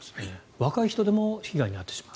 若い人でも被害に遭ってしまう。